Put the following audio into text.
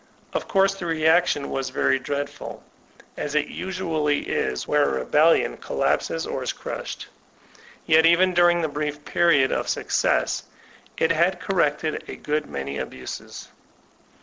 Of course the reac tion was very dreadful, as it usually is where a rebellion collapses, or is crushed. Yet even during the brief period of success, it had corrected a good many abuses.